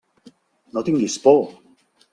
No tinguis por.